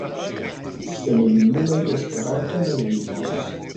Sen junuloj Esperanto ne vivos.